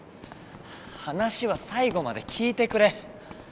話は最後まで聞いてくれ。